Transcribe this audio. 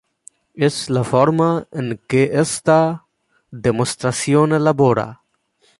Es la forma en que esta demostración labora.